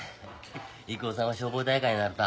郁夫さんは消防大会になるとあかんわ。